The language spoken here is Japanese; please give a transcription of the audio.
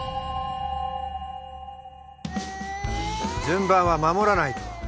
順番は守らないと。